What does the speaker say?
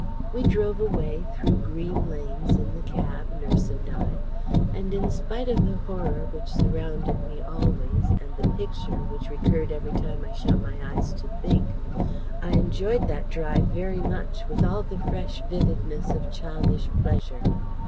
We drove away, through green lanes, in the cab, nurse and I; and in spite of the Horror, which surrounded me always, and the Picture, which recurred every time I shut my eyes to think, I enjoyed that drive very much, with all the fresh vividness of childish pleasure.